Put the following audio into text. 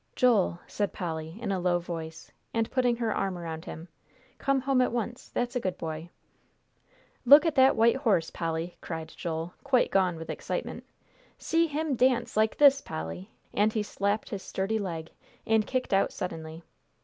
"Joel," said Polly, in a low voice, and putting her arm around him, "come home at once, that's a good boy!" "Look at that white horse, Polly!" cried Joel, quite gone with excitement. "See him dance, like this, Polly," and he slapped his sturdy leg, and kicked out suddenly.